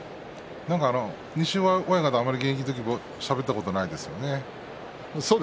西岩親方、現役の時あまりしゃべったことないですよね。